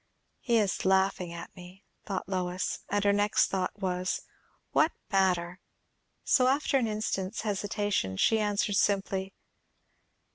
He is laughing at me, thought Lois. And her next thought was, What matter! So, after an instant's hesitation, she answered simply.